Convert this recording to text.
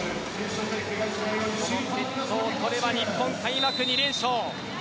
これを取れば日本開幕２連勝。